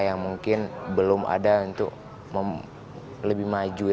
yang mungkin belum ada untuk lebih maju